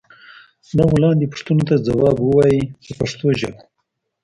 دغو لاندې پوښتنو ته ځواب و وایئ په پښتو ژبه.